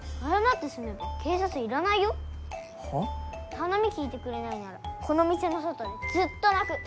頼み聞いてくれないならこの店の外でずっと泣く。